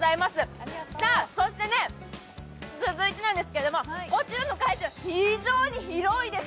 さあ、そして続いてなんですけれども、こちらの会場、非常に広いです。